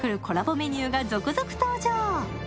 メニューが続々登場。